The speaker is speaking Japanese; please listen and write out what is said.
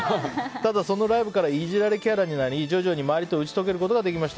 そのライブからいじられキャラになり徐々に周りと打ち解けられるようになりました。